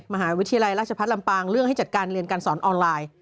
มหาวิทยาลัยราชพัฒนลำปางเรื่องให้จัดการเรียนการสอนออนไลน์